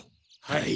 はい。